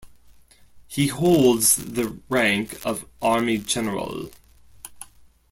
He holds the rank of Army General.